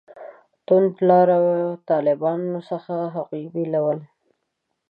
توندلارو طالبانو څخه هغوی بېلول.